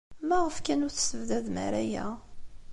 Maɣef kan ur tessebdadem ara aya?